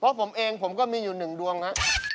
เพราะผมเองผมก็มีอยู่หนึ่งดวงนะ